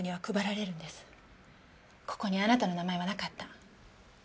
ここにあなたの名前はなかった。